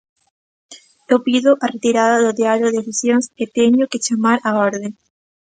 Eu pido a retirada do Diario de Sesións e téñoo que chamar á orde.